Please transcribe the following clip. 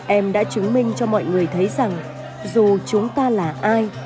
em đã chứng minh cho mọi người thấy rằng dù chúng ta là ai